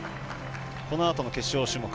このあとの決勝種目。